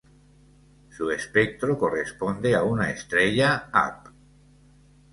Su espectro corresponde a una estrella Ap.